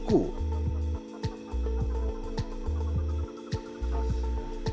ikan mujair danau tondano memiliki tekstur lembut dan rasanya manis